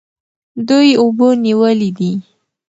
دوی اوبه نیولې دي.